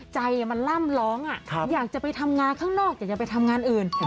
ใจมันล่ำร้องอยากจะไปทำงานข้างนอกอยากจะไปทำงานอื่น